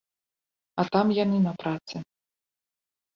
А там яны на працы.